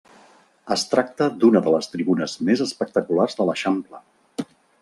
Es tracta d'una de les tribunes més espectaculars de l'Eixample.